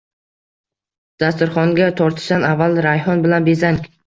Dasturxonga tortishdan avval rayhon bilan bezang